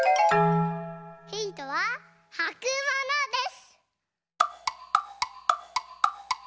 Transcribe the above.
ヒントははくものです！